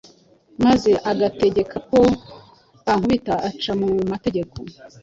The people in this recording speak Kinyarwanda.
maze ugategeka ko bankubita, uca mu mategeko?